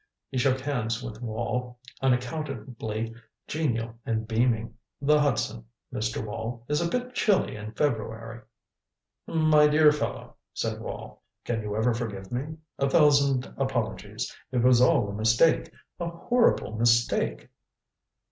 He shook hands with Wall, unaccountably genial and beaming. "The Hudson, Mr. Wall, is a bit chilly in February." "My dear fellow," said Wall, "can you ever forgive me? A thousand apologies. It was all a mistake a horrible mistake."